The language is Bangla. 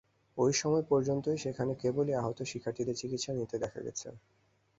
ওই সময় পর্যন্ত সেখানে কেবলই আহত শিক্ষার্থীদের চিকিৎসা নিতে দেখা গেছে।